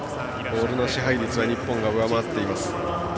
ボールの支配率は日本が上回っています。